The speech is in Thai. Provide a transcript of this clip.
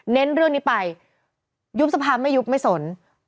เน้นเรื่องนี้ไปยุบสภาไม่ยุบไม่สน